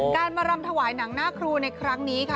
การมารำถวายหนังหน้าครูในครั้งนี้ค่ะ